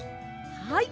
はい。